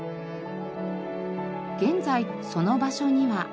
現在その場所には。